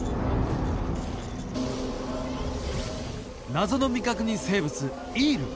謎の未確認生物イール